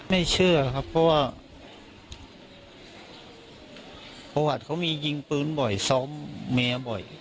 ไม่เชื่อครับเพราะว่าประวัติเขามียิงปืนบ่อยซ้อมเมียบ่อย